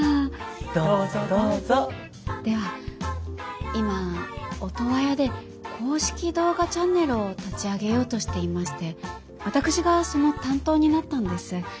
では今オトワヤで公式動画チャンネルを立ち上げようとしていまして私がその担当になったんです。